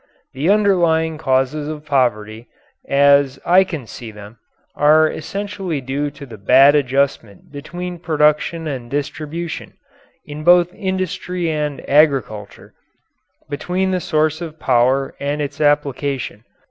The underlying causes of poverty, as I can see them, are essentially due to the bad adjustment between production and distribution, in both industry and agriculture between the source of power and its application.